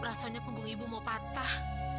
rasanya punggung ibu mau patah